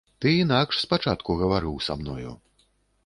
Ты інакш спачатку гаварыў са мною.